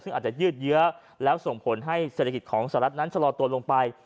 ซึ่งอาจจะยืดเยื้อแล้วส่งผลให้เศรษฐกิจของสหรัฐนั้นชะลอตัวลงไป